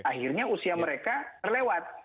akhirnya usia mereka terlewat